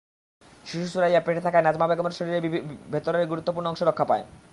শিশু সুরাইয়া পেটে থাকায় নাজমা বেগমের শরীরের ভেতরের গুরুত্বপূর্ণ অংশ রক্ষা পায়।